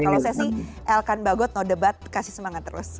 kalau sesi elkan bagot no debat kasih semangat terus